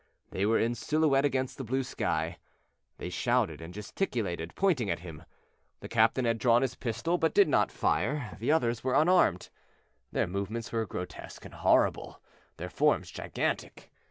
They were in silhouette against the blue sky. They shouted and gesticulated, pointing at him. The captain had drawn his pistol, but did not fire; the others were unarmed. Their movements were grotesque and horrible, their forms gigantic.